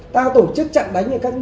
ta tổ chức chặn đánh